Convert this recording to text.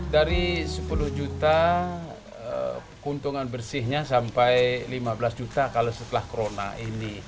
saatnya keuntungan bersihnya sampai lima belas juta kalau setelah corona ini